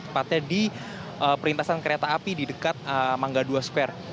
tepatnya di perintasan kereta api di dekat mangga dua square